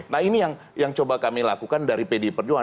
nah ini yang coba kami lakukan dari pdi perjuangan